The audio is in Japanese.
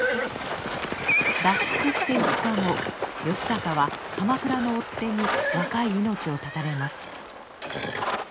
脱出して５日後義高は鎌倉の追っ手に若い命を絶たれます。